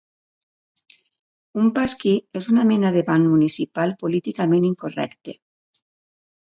Un pasquí és una mena de ban municipal políticament incorrecte.